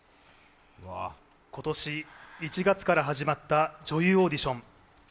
今年１月から始まった女優オーディション。